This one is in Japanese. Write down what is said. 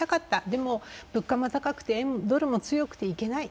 でも、物価も高くてドルも強くていけない。